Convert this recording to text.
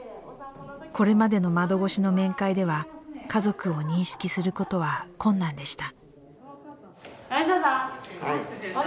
これまでの窓越しの面会では家族を認識することは困難でした。